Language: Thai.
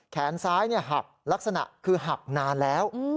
แขนซ้ายหักลักษณะคือหักนานแล้ว